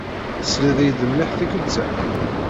Tesliḍ-iyi-d mliḥ tikkelt-a?